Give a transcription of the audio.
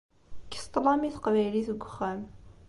Kkes ṭṭlam i Teqbaylit deg uxxam.